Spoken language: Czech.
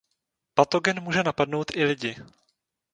Patogen může napadnout i lidi.